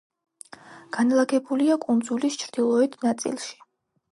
განლაგებულია კუნძულის ჩრდილოეთ ნაწილში.